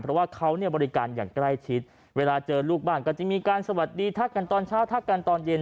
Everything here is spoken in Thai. เพราะว่าเขาเนี่ยบริการอย่างใกล้ชิดเวลาเจอลูกบ้านก็จะมีการสวัสดีทักกันตอนเช้าทักกันตอนเย็น